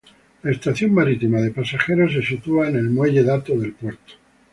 La estación marítima de pasajeros se sitúa en el muelle Dato del puerto.